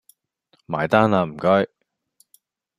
埋單呀唔該